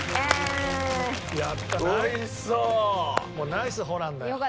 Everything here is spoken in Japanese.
ナイスホランだよ。